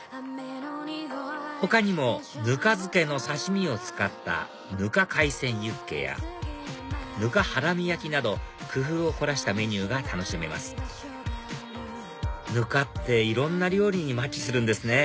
他にもぬか漬けの刺し身を使った糠海鮮ユッケや糠ハラミ焼きなど工夫を凝らしたメニューが楽しめますぬかっていろんな料理にマッチするんですね